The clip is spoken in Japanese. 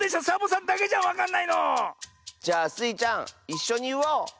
サボさんだけじゃんわかんないの⁉じゃあスイちゃんいっしょにいおう！